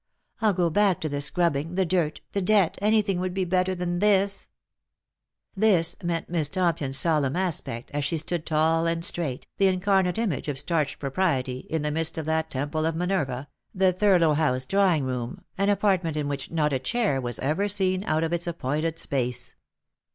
I'll go back to the scrubbing, the dirt, the debt — anything would be better than this /"" This " meant Miss Tompion's solemn aspect, as she stood tall and straight, the incarnate image of starched propriety, in the midst of that temple of Minerva, the Thurlow House draw ing room, an apartment in which not a chair was ever seen out of its appointed space.